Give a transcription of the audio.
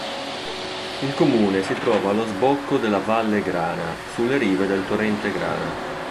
Il comune si trova allo sbocco della Valle Grana sulle rive del Torrente Grana.